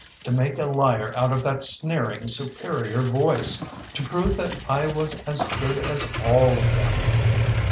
To make a liar out of that sneering, superior voice. To prove that I was as good as all of them.